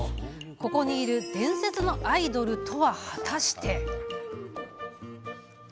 ここにいる伝説のアイドルとは、果たして。